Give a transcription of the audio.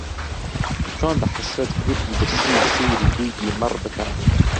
چۆن بە حەسرەت گورگی برسی سەیری دووگی مەڕ بکا